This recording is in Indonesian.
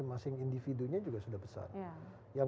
anda outside yang